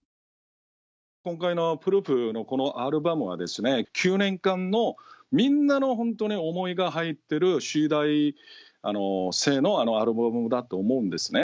今回のプルーフのこのアルバムは、９年間のみんなの本当に思いが入ってる集大成のアルバムだと思うんですね。